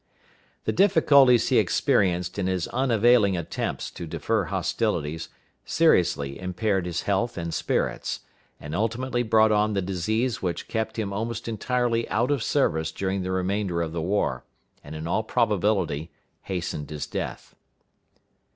The difficulties he experienced in his unavailing attempts to defer hostilities seriously impaired his health and spirits, and ultimately brought on the disease which kept him almost entirely out of service during the remainder of the war, and in all probability hastened his death.